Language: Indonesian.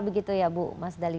begitu ya bu mas dali